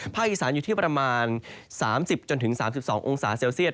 อีสานอยู่ที่ประมาณ๓๐๓๒องศาเซลเซียต